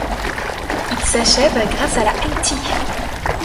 Ils s'achèvent grâce à la Mt.